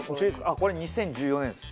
あっこれ２０１４年です。